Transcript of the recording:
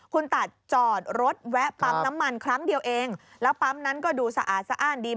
คุณตัดจอดรถแวะปั๊มน้ำมันครั้งเดียวเองแล้วปั๊มนั้นก็ดูสะอาดสะอ้านดี